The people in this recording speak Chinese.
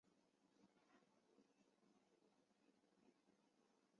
嘉靖七年戊子科浙江乡试第十九名。